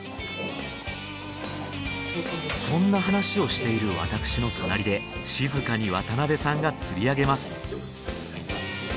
そんな話をしている私の隣で静かに渡辺さんが釣り上げます。